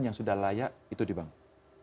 yang sudah layak itu dibangun